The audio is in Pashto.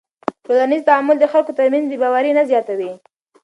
ټولنیز تعامل د خلکو تر منځ بېباوري نه زیاتوي.